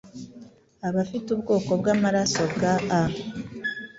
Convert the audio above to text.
abafite ubwoko bw’amaraso bwa A